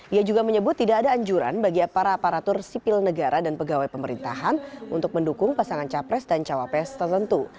ia juga menyebut tidak ada anjuran bagi apara aparatur sipil negara dan pegawai pemerintahan untuk mendukung pasangan capres dan cawapres tertentu